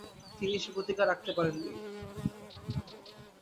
তিনি সে প্রতিজ্ঞা রাখতে পারেন নি।